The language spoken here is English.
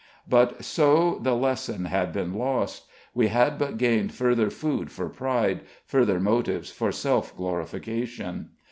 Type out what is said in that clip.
But so, the lesson had been lost. We had but gained further food for pride, further motives for self glorification.